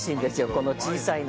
この小さいの。